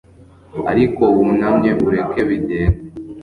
Ariko wunamye ureke bigende